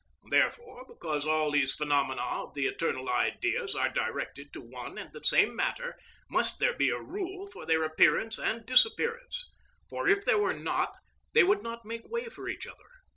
Therefore, because all these phenomena of the eternal Ideas are directed to one and the same matter, must there be a rule for their appearance and disappearance; for if there were not, they would not make way for each other.